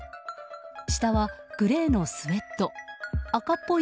下はグレーのスウェット赤っぽい